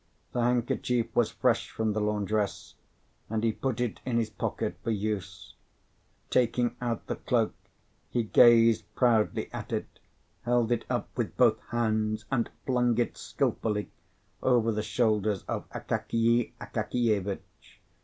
The handkerchief was fresh from the laundress, and he put it in his pocket for use. Taking out the cloak, he gazed proudly at it, held it up with both hands, and flung it skilfully over the shoulders of Akakiy Akakievitch.